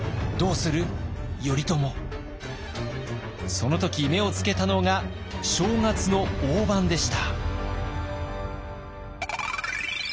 その時目をつけたのが正月の飯でした。